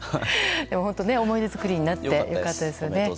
本当に思い出作りになって良かったですね。